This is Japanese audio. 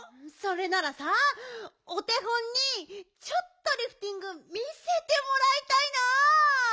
それならさお手本にちょっとリフティング見せてもらいたいな。